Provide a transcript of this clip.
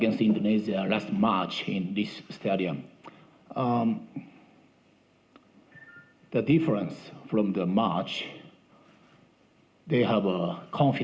mereka mengikuti udara karena pertandingan terakhir terakhir terhadap qatar